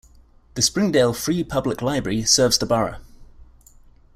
The Springdale Free Public Library serves the borough.